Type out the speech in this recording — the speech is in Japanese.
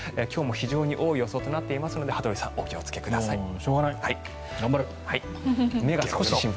今日も非常に多い予想となっていますので羽鳥さん、お気をつけください。